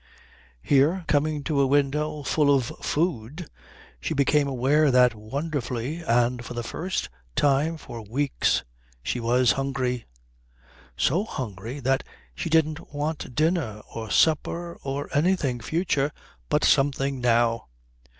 Here, coming to a window full of food, she became aware that, wonderfully, and for the first time for weeks, she was hungry; so hungry that she didn't want dinner or supper or anything future, but something now.